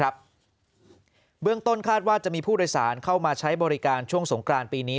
เบื้องต้นคาดว่าจะมีผู้โดยสารเข้ามาใช้บริการช่วงสงกรานปีนี้